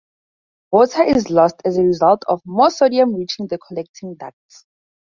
Water is lost as a result of more sodium reaching the collecting ducts.